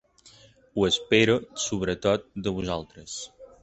Ho espera sobretot de vosaltres.